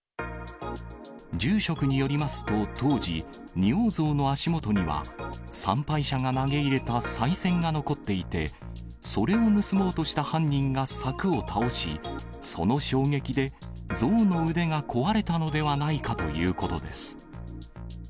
住職によりますと、当時、仁王像の足元には、参拝者が投げ入れたさい銭が残っていて、それを盗もうとした犯人が柵を倒し、その衝撃で像の腕が壊れたのではないかということです。